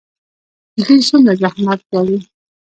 دوی څومره زحمت ګالي؟